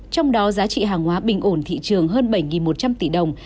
trong đó giá trị hàng hóa bình ổn thị trường hơn bảy một trăm linh tỷ đồng